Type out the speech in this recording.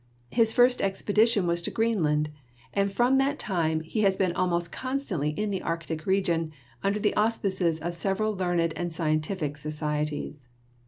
His first expedition was to Greenland, and from that time he has been almost constantly in the Arctic region under the auspices of several learned and scientific societies.